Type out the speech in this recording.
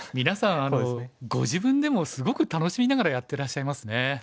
皆さんご自分でもすごく楽しみながらやってらっしゃいますね。